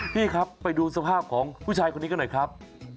พี่ครับไปดูสภาพของผู้ชายคนนี้กันหน่อยครับ